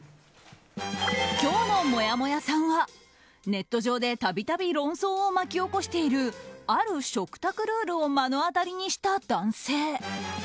今日のもやもやさんはネット上で度々論争を巻き起こしているある食卓ルールを目の当たりにした男性。